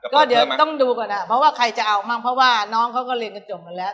ก็เดี๋ยวต้องดูก่อนเพราะว่าใครจะเอาบ้างเพราะว่าน้องเขาก็เรียนกันจบหมดแล้ว